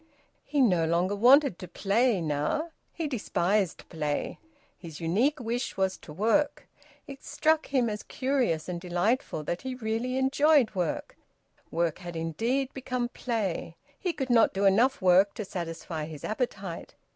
He no longer wanted to `play' now. He despised play. His unique wish was to work. It struck him as curious and delightful that he really enjoyed work. Work had indeed become play. He could not do enough work to satisfy his appetite.